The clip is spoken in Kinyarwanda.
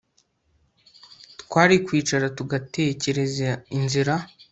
Twari kwicara tugatekereza inzira